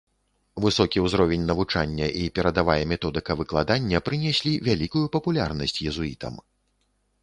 Высокі ўзровень навучання і перадавая методыка выкладання прынеслі вялікую папулярнасць езуітам.